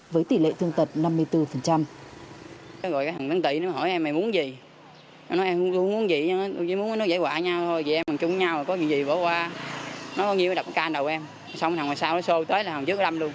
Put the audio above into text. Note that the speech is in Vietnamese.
với tỷ lệ thương tật năm mươi bốn